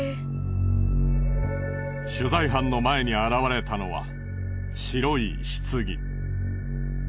取材班の前に現れたのは白い棺。